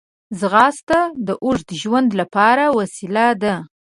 ځغاسته د اوږد ژوند لپاره وسیله ده